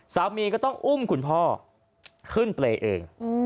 สามีก็ต้องอุ้มคุณพ่อขึ้นเปรย์เอง